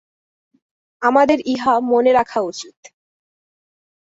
আমাদের ইহা মনে রাখা উচিত।